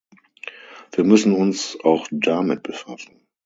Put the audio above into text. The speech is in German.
Wir müssen uns auch damit befassen.